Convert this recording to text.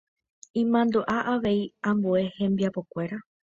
imandu'a avei ambue hembiapokuére.